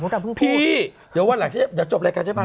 พี่เดี๋ยววันหลังจะจบรายการใช่ป่ะ